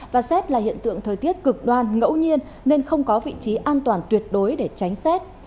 và xét là hiện tượng thời tiết cực đoan ngẫu nhiên nên không có vị trí an toàn tuyệt đối để tránh xét